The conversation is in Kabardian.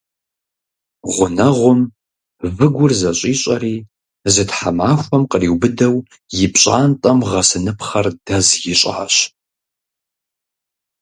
Гъунэгъум выгур зэщӀищӀэри зы тхьэмахуэм къриубыдэу и пщӀантӀэм гъэсыныпхъэр дэз ищӀащ.